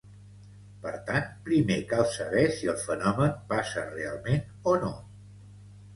Per tant, primer cal saber si el fenomen passa realment o no.